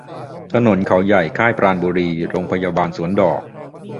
ถนนเขาใหญ่ ค่ายปราณบุรี โรงพยาบาลสวนดอก